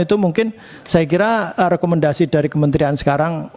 itu mungkin saya kira rekomendasi dari kementerian sekarang